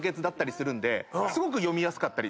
すごく読みやすかったり。